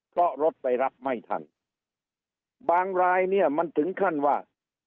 เพราะรถไปรับไม่ทันบางรายเนี่ยมันถึงขั้นว่า